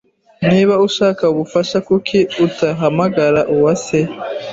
Niba ushaka ubufasha, kuki utahamagara Uwase?